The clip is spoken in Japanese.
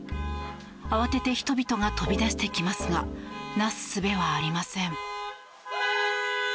慌てて人々が飛び出してきますがなすすべはありません。